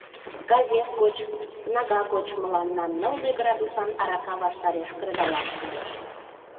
Газет гоч, кнага гоч мыланна нылле градусан арака ваштареш кредалаш кӱлеш.